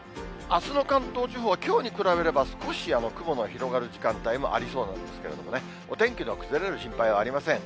あすの関東地方はきょうに比べれば、少し雲の広がる時間帯もありそうなんですけれどもね、お天気の崩れる心配はありません。